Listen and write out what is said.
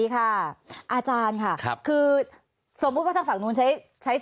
เขาก็ยังมีกำลังใจ